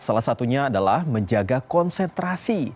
salah satunya adalah menjaga konsentrasi